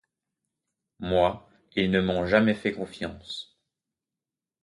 Moi, ils ne m’ont jamais fait confiance.